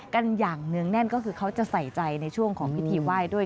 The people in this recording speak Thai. กันอย่างเนื่องแน่นก็คือเขาจะใส่ใจในช่วงของพิธีไหว้ด้วย